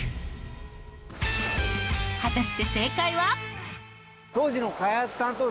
果たして正解は？